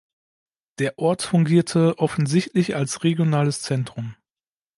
Der Ort fungierte offensichtlich als regionales Zentrum.